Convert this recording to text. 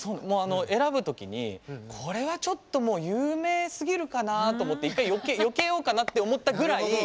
選ぶときにこれは、ちょっと、もう有名すぎるかな？と思って一回よけようかなって思ったぐらい